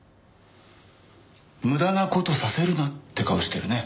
無駄な事させるなって顔してるね。